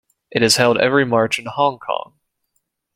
It is held every March in Hong Kong.